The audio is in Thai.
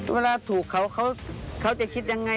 เวลาถูกเขาเขาจะคิดยังไง